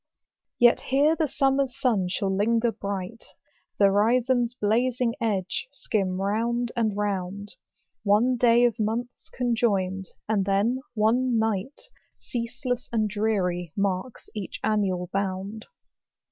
22 SWEDEN. Yet here the summer's sun shall linger bright, Th' horizon's blazing edge skim round and round. One day of months conjoined, and then one night, Ceaseless and dreary, marks each annual bound.